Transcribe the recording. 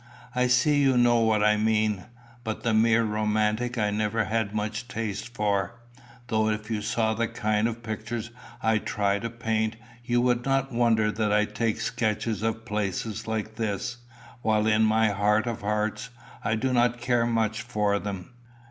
I see you know what I mean. But the mere romantic I never had much taste for; though if you saw the kind of pictures I try to paint, you would not wonder that I take sketches of places like this, while in my heart of hearts I do not care much for them.